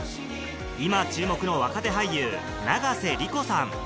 今注目の若手俳優永瀬莉子さん